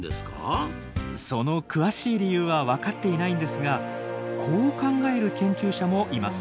その詳しい理由は分かっていないんですがこう考える研究者もいます。